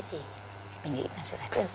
thì mình nghĩ là sẽ giải quyết rất nhiều vấn đề